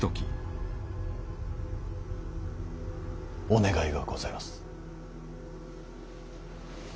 お願いがございます。